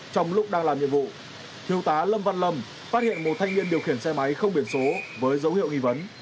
trong lúc đang làm nhiệm vụ thiếu tá lâm văn lâm phát hiện một thanh niên điều khiển xe máy không biển số với dấu hiệu nghi vấn